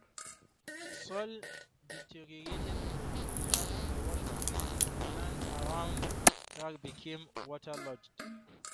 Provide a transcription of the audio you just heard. Soil deteriorated as minerals were washed away, and the land around Cragg became waterlogged.